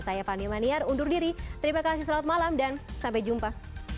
saya fani maniar undur diri terima kasih selamat malam dan sampai jumpa